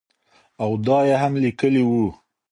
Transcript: او دا ئې هم ليکلي وو